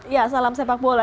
ya salam sepak bola